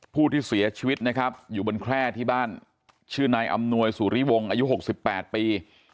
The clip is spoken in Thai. ผู้ที่เสียชีวิตนะครับอยู่บนแคร่ที่บ้านชื่อนายอำนวยสุริวงศ์อายุ๖๘ปี